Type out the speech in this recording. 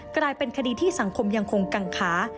กลายเป็นคดีที่สังคมยังคงกังขา